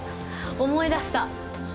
思い出した。